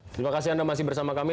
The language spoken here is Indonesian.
terima kasih anda masih bersama kami